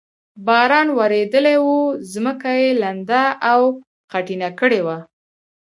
باران ورېدلی و، ځمکه یې لنده او خټینه کړې وه.